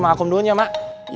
mak aku mau ke rumah aku dulu